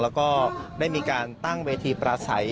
แล้วก็ได้มีการตั้งเวทีปราศัย